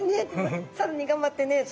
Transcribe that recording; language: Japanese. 更に頑張ってねと。